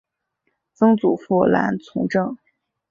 曾祖父兰从政。